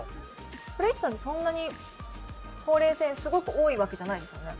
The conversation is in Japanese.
古市さんってそんなにほうれい線すごく多いわけじゃないですよね。